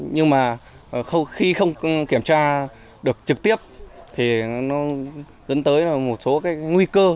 nhưng mà khi không kiểm tra được trực tiếp thì nó dẫn tới một số cái nguy cơ